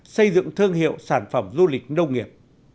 xây dựng thương hiệu sản phẩm du lịch nông nghiệp